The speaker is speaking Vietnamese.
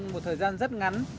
một thời gian rất ngắn